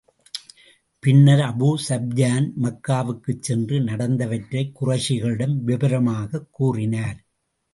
பின்னர், Abu Sufyan மக்காவுக்குச் சென்று நடந்தவற்றைக் குறைஷிகளிடம் விவரமாகக் கூறினார்.